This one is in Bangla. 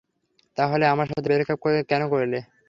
তাহলে আমার সাথে ব্রেকাপ কেন করলে?